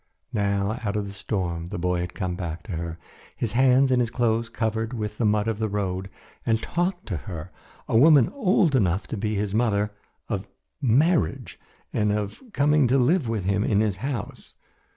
Now, out of the storm, the boy had come back to her, his hands and his clothes covered with the mud of the road, and talked to her, a woman old enough to be his mother, of marriage and of coming to live with him in his house.